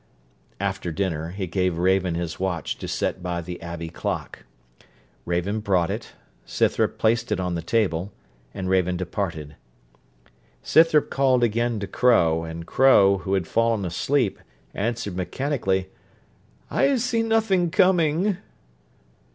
After dinner, he gave Raven his watch to set by the abbey clock. Raven brought it, Scythrop placed it on the table, and Raven departed. Scythrop called again to Crow; and Crow, who had fallen asleep, answered mechanically, 'I see nothing coming.'